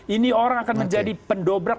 ini orang akan menjadi pendobrak